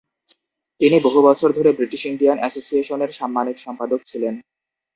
তিনি বহু বছর ধরে বৃটিশ ইন্ডিয়ান অ্যাসোসিয়েশনের সাম্মানিক সম্পাদক ছিলেন ।